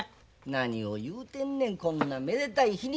何を言うてんねんこんなめでたい日に。